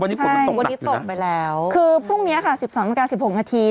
วันนี้ฝนมันตกตักอยู่น่ะวันนี้ตกไปแล้วคือพรุ่งเนี้ยค่ะสิบสองนาทีการสิบหกนาที